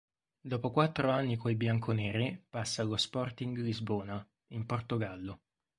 Dopo quattro anni coi bianco-neri, passa allo Sporting Lisbona, in Portogallo.